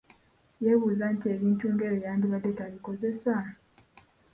Yeebuuza nti ebintu ng’ebyo yandibadde tabikozesa?